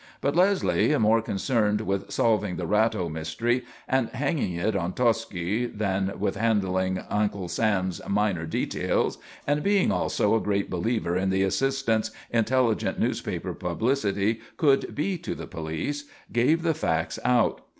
But Leslie, more concerned with solving the Ratto mystery, and hanging it on Tosci than with handling Uncle Sam's minor details, and being also a great believer in the assistance intelligent newspaper publicity could be to the police, gave the facts out.